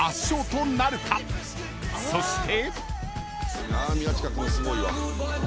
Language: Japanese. ［そして］